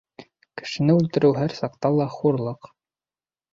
— Кешене үлтереү һәр саҡта ла хурлыҡ.